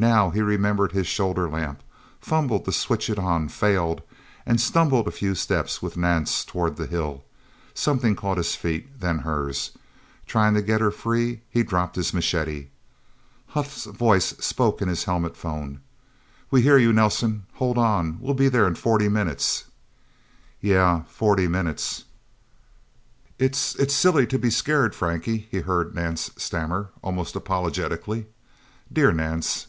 Now he remembered his shoulder lamp, fumbled to switch it on, failed, and stumbled a few steps with Nance toward the hill. Something caught his feet then hers. Trying to get her free, he dropped his machete... Huth's voice spoke in his helmet phone. "We hear you, Nelsen! Hold out... We'll be there in forty minutes..." Yeah forty minutes. "It's it's silly to be so scared, Frankie..." he heard Nance stammer almost apologetically. Dear Nance...